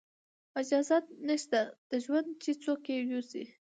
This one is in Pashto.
اجازت نشته د ژوند چې څوک یې یوسي